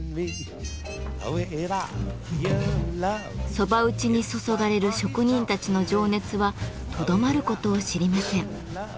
「蕎麦打ち」に注がれる職人たちの情熱はとどまることを知りません。